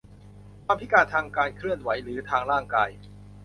ความพิการทางการเคลื่อนไหวหรือทางร่างกาย